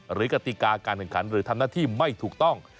กติกาการแข่งขันหรือทำหน้าที่ไม่ถูกต้อง